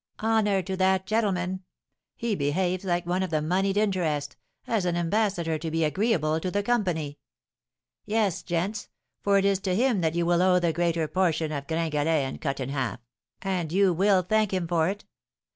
Honour to that gentleman! He behaves like one of the monied interest, as an ambassador to be agreeable to the company! Yes, gents; for it is to him that you will owe the greater portion of 'Gringalet and Cut in Half,' and you will thank him for it.